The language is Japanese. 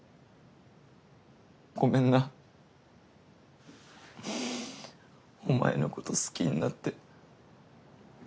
ごめんなお前のこと好きになって。